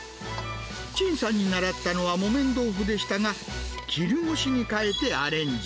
陳さんに習ったのは木綿豆腐でしたが、絹ごしに変えてアレンジ。